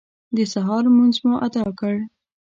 د سهار لمونځ مو اداء کړ.